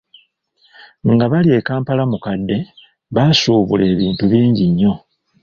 Nga bali e Kampala-Mukadde, baasuubula ebintu bingi nnyo.